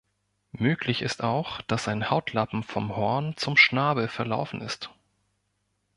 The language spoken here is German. Möglich ist auch, dass ein Hautlappen vom Horn zum Schnabel verlaufen ist.